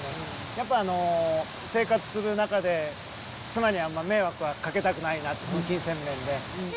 やっぱ、生活する中で、妻には迷惑をかけたくないなって、金銭面で。